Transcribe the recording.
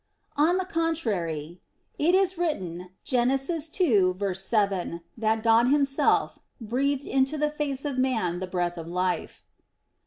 On the contrary, It is written (Gen. 2:7) that God Himself "breathed into the face of man the breath of life."